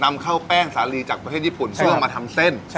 นำเข้าแผ้งซีหรือจากพัฒนาญี่ปุ่นสร้างมาทำเส้น